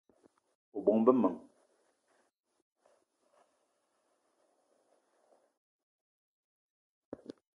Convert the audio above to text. O bóng-be m'men